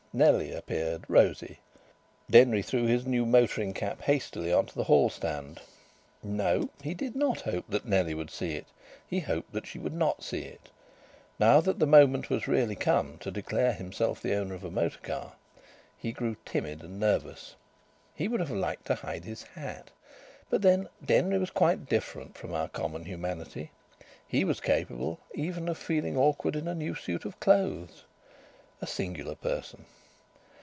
Nellie appeared, rosy. Denry threw his new motoring cap hastily on to the hall stand. No! He did not hope that Nellie would see it. He hoped that she would not see it. Now that the moment was really come to declare himself the owner of a motor car, he grew timid and nervous. He would have liked to hide his hat. But then Denry was quite different from our common humanity. He was capable even of feeling awkward in a new suit of clothes. A singular person.